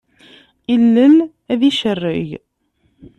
Illel ad icerreg.